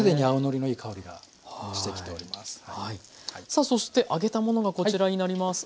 さあそして揚げたものがこちらになります。